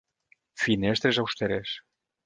Finestres austeres.